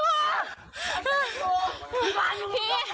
พี่